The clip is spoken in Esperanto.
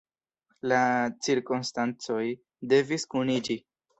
La cirkonstancoj devis kuniĝi.